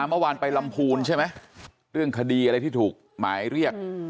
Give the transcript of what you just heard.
เมื่อวานไปลำพูนใช่ไหมเรื่องคดีอะไรที่ถูกหมายเรียก